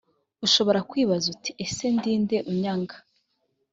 ushobora kwibaza uti ese ndinde unyanga